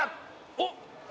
「おっ！」